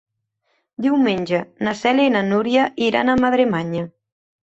Diumenge na Cèlia i na Núria iran a Madremanya.